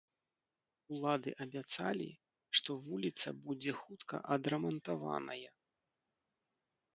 Улады абяцалі, што вуліца будзе хутка адрамантаваная.